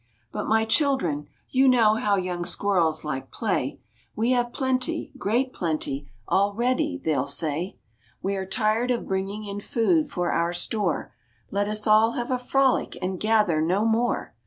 "But my children you know how young squirrels like play 'We have plenty, great plenty, already,' they'll say. 'We are tired of bringing in food for our store; Let us all have a frolic and gather no more!'